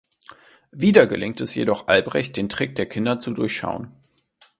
Wieder gelingt es jedoch Albrecht den Trick der Kinder zu durchschauen.